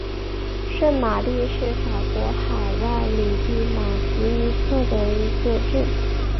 圣玛丽是法国海外领地马提尼克的一个镇。